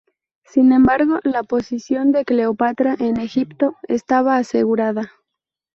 Sin embargo, la posición de Cleopatra en Egipto estaba asegurada.